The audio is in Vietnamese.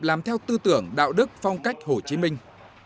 làm theo tư tưởng đạo đức phong cách hồ chí minh